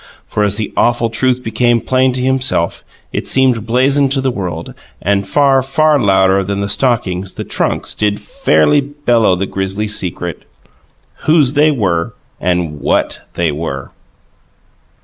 For as the awful truth became plain to himself it seemed blazoned to the world; and far, far louder than the stockings, the trunks did fairly bellow the grisly secret: WHOSE they were and WHAT they were!